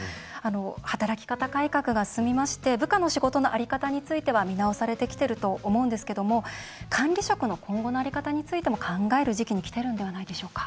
働き方改革が進みまして部下の仕事の在り方については見直されてきてると思うんですが管理職の今後の在り方についても考える時期にきてるんではないでしょうか？